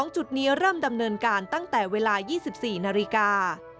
จุดนี้เริ่มดำเนินการตั้งแต่เวลา๒๔นาฬิกา